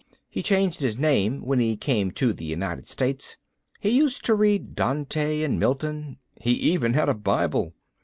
He changed his name when he came to the United States. He used to read Dante and Milton. He even had a Bible."